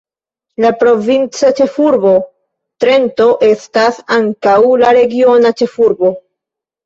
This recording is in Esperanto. La provinca ĉefurbo Trento estas ankaŭ la regiona ĉefurbo.